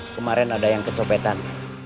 kemarin ada yang kecopetan